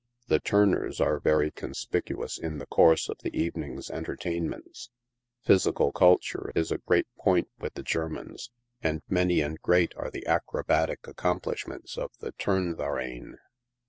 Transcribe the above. Tiie Turners are very conspicuous in the course of the evening's entertainments. Physi cal culture is a great point with the Germans, and many and great are the acrobatic accomplishments of the Turnverein.